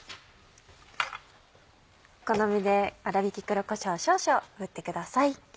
お好みで粗びき黒こしょう少々振ってください。